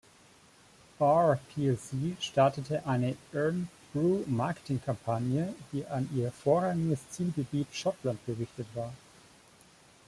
Barr plc startete eine Irn-Bru-Marketingkampagne, die an ihr vorrangiges Zielgebiet Schottland gerichtet war.